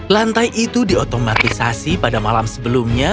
lantai itu diotomatisasi pada malam sebelumnya